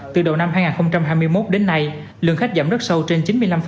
từ đầu năm hai nghìn hai mươi một đến nay lượng khách giảm rất sâu trên chín mươi năm